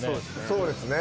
そうですね